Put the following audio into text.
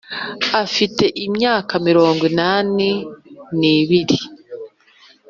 afite imyaka mirongo inani n’ibiri.